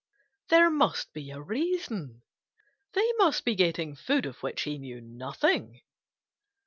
There must be a reason. They must be getting food of which he knew nothing.